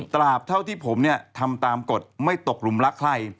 ตราบเท่าที่ผมเนี่ยทำตามกฎไม่ตกหลุมรักใคร